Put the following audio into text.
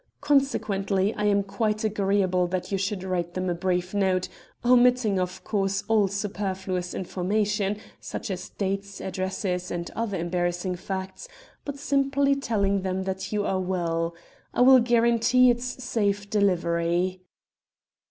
Consequently, I am quite agreeable that you should write them a brief note, omitting of course all superfluous information, such as dates, addresses, and other embarrassing facts, but simply telling them that you are well. I will guarantee its safe delivery.'